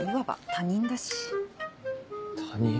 他人。